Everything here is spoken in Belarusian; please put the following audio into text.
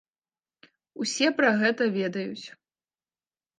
Усе пра гэта ведаюць.